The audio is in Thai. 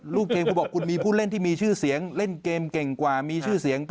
เกมคุณบอกคุณมีผู้เล่นที่มีชื่อเสียงเล่นเกมเก่งกว่ามีชื่อเสียง